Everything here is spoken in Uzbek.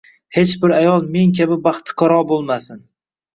Hech bir ayol men kabi baxti qaro bo`lmasin